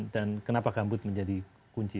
dan kenapa gambut menjadi kunci